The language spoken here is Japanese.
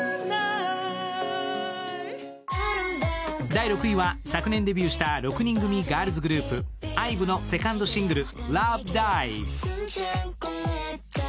第６位は、昨年デビューした６人組ガールズグループ、ＩＶＥのセカンドシングル、「ＬＯＶＥＤＩＶＥ」。